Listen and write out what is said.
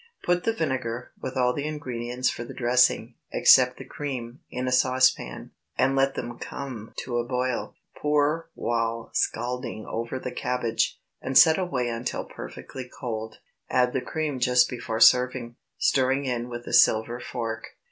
Put the vinegar, with all the ingredients for the dressing, except the cream, in a saucepan, and let them come to a boil. Pour while scalding over the cabbage, and set away until perfectly cold. Add the cream just before serving, stirring in with a silver fork.